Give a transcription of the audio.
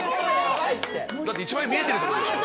だって１万円見えてるってことでしょ？